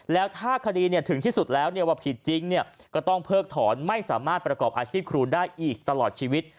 แล้วถ้าคดีถึงที่สุดแล้วว่าผิดจริงก็ต้องเพิกถอนไม่สามารถประกอบอาชีพครูได้อีกตลอดชีวิต